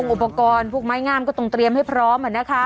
อุปกรณ์พวกไม้งามก็ต้องเตรียมให้พร้อม